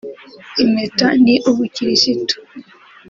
impeta ni ubukirisitu